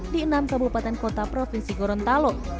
di enam kabupaten kota provinsi gorontalo